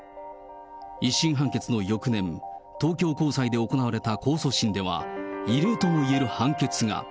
１審判決の翌年、東京高裁で行われた控訴審では異例ともいえる判決が。